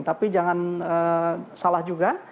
tapi jangan salah juga